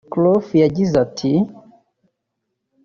Krogh yagize ati